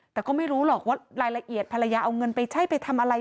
แต่ก็ไม่รู้หรอกว่ารายละเอียดภรรยาเอาเงินไปใช้ไปทำอะไร